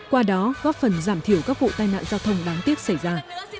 qua đó góp phần giảm thiểu các vụ tai nạn giao thông đáng tiếc xảy ra